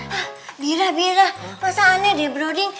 hah bira bira masa aneh dia brody